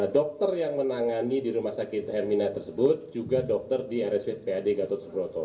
dokter yang menangani di rumah sakit hermina tersebut juga dokter di rspad gatot subroto